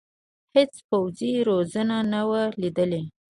هېڅ پوځي روزنه نه وه لیدلې.